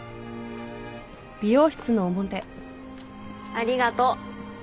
ありがとう。